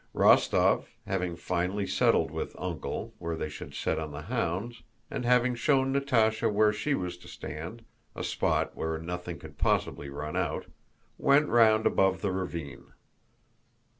Rostóv, having finally settled with "Uncle" where they should set on the hounds, and having shown Natásha where she was to stand—a spot where nothing could possibly run out—went round above the ravine.